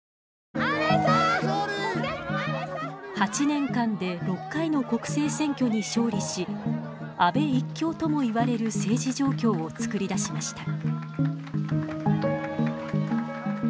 ８年間で６回の国政選挙に勝利し安倍一強とも言われる政治状況を作り出しました。